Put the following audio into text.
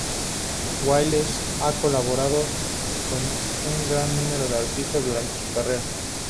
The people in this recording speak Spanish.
Wilde ha colaborado con un gran número de artistas durante su carrera.